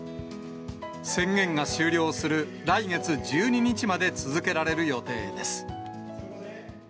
宣言が終了する来月１２日まで続けられる予定です。